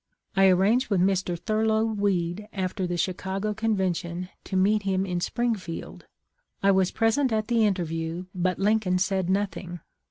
I arranged with Mr. Thurlow Weed after the Chicago Conven tion to meet him at Springfield. I was present at the interview, but Lincoln said nothing.